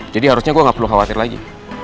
jadi harusnya gue gak perlu khawatir lagi